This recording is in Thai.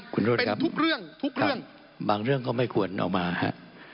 คุณโรธเป็นทุกเรื่องทุกเรื่องบางเรื่องก็ไม่ควรเอามาฮะ